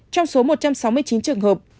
trong số một trăm sáu mươi chín trường hợp